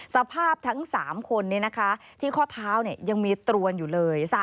สภาพทั้ง๓คนที่ข้อเท้ายังมีตรวนอยู่เลย